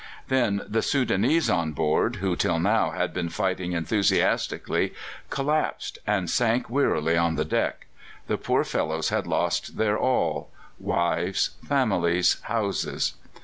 Then the Soudanese on board, who till now had been fighting enthusiastically, collapsed and sank wearily on the deck. The poor fellows had lost their all wives, families, houses!